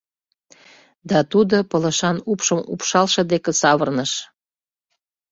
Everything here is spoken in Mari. — Да тудо пылышан упшым упшалше деке савырныш: